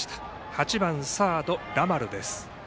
８番サード、ラマルです。